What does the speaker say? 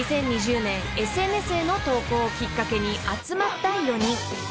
［２０２０年ＳＮＳへの投稿をきっかけに集まった４人］